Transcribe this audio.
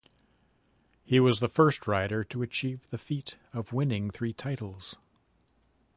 He was the first rider to achieve the feat of winning three titles.